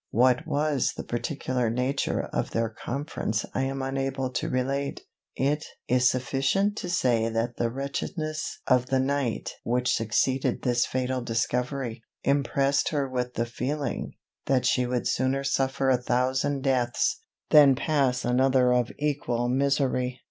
What was the particular nature of their conference I am unable to relate. It is sufficient to say that the wretchedness of the night which succeeded this fatal discovery, impressed her with the feeling, that she would sooner suffer a thousand deaths, than pass another of equal misery.